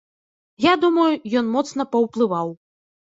Я думаю, ён моцна паўплываў.